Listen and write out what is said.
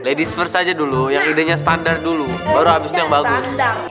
ladies first aja dulu yang idenya standar dulu baru abis itu yang bagus